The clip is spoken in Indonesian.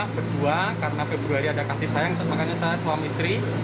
berdua karena februari ada kasih sayang makanya saya suami istri